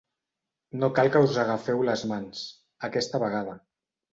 No cal que us agafeu les mans, aquesta vegada.